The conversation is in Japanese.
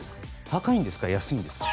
安いんですか？